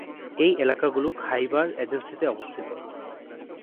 এই এলাকাগুলো খাইবার এজেন্সিতে অবস্থিত।